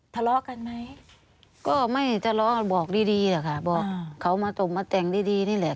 ทะเลาะกันไหมก็ไม่ทะเลาะกันบอกดีดีหรอกค่ะบอกเขามาตบมาแต่งดีดีนี่แหละ